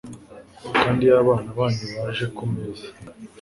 kandi iyo abana banyu baje ku meza